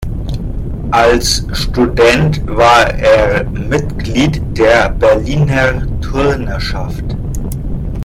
Als Student war er Mitglied der Berliner Turnerschaft.